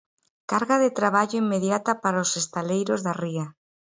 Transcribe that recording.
Carga de traballo inmediata para os estaleiros da Ría.